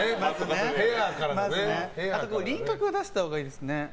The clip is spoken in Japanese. あと、輪郭は出したほうがいいですね。